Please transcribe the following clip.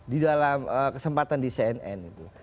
di dalam kesempatan di cnn